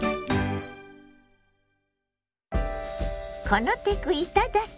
「このテクいただき！